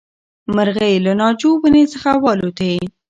مرغۍ له ناجو ونې څخه والوتې.